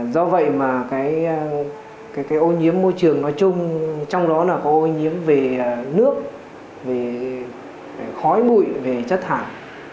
do vậy mà cái ô nhiễm môi trường nói chung trong đó là có ô nhiễm về nước về khói bụi về chất thải